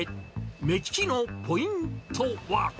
目利きのポイントは。